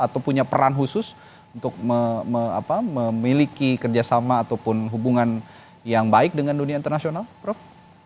atau punya peran khusus untuk memiliki kerjasama ataupun hubungan yang baik dengan dunia internasional prof